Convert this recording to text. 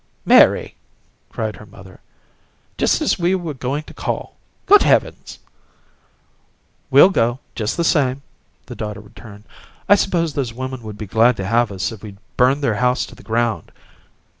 "Mary!" cried her mother. "Just as we were going to call! Good heavens!" "We'll go, just the same," the daughter returned. "I suppose those women would be glad to have us if we'd burned their house to the ground."